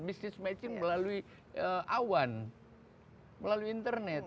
business matching melalui awan melalui internet